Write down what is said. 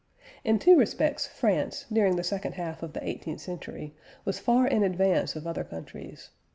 In two respects France, during the second half of the eighteenth century, was far in advance of other countries.